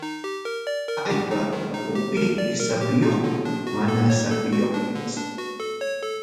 Allpa ukupi sapiyuq mana sapiyuqpas.